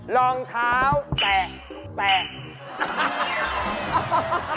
รองเท้าแตกแตก